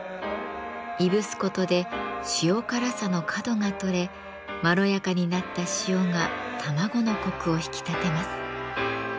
いぶすことで塩辛さの角が取れまろやかになった塩が卵のコクを引き立てます。